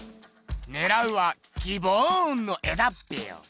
ねらうはギボーンの絵だってよ。